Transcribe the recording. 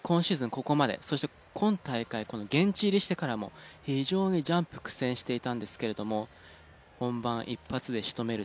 ここまでそして今大会現地入りしてからも非常にジャンプ苦戦していたんですけれども本番一発で仕留める力。